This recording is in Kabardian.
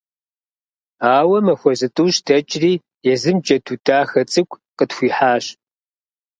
Ауэ махуэ зытӀущ дэкӀри, езым джэду дахэ цӀыкӀу къытхуихьащ…